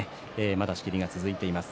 まだ仕切りが続いています。